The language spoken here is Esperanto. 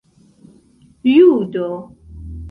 judo